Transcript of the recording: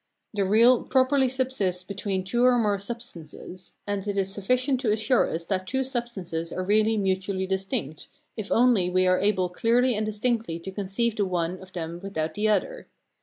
The real properly subsists between two or more substances; and it is sufficient to assure us that two substances are really mutually distinct, if only we are able clearly and distinctly to conceive the one of them without the other.